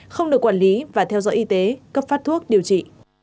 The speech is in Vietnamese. không được quản lý và theo dõi y tế cấp phát thuốc điều trị